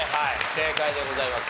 正解でございます。